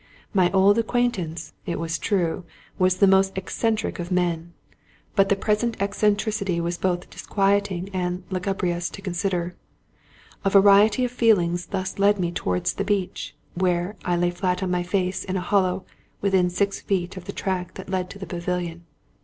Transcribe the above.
My old acquaintance, it was true, was the most eccentric of men ; but the present eccentricity was both disquieting and lugubrious to consider. A variety of feelings thus led me toward the beach, where I lay flat on my face in a hollow within six feet of the track that led to the pavilion.